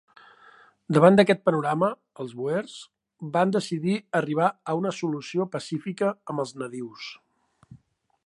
Davant d'aquest panorama, els bòers van decidir arribar a una solució pacífica amb els nadius.